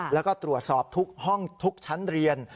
แล้วก็ตรวจสอบทุกชั้นเรียน